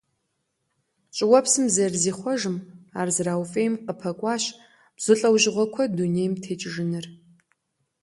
ЩӀыуэпсым зэрызихъуэжым ар зэрауфӀейм къапэкӀуащ бзу лӀэужьыгъуэ куэд дунейм текӀыжыныр.